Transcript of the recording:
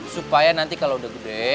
supaya nanti kalau udah gede